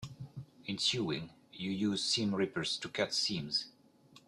In sewing, you use seam rippers to cut seams.